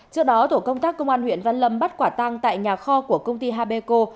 trước đó tổ công tác công an huyện văn lâm bắt quả tăng tại nhà kho của công ty habeco